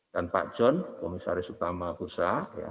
dan pak john komisaris utama bursa